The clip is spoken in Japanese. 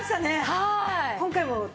はい。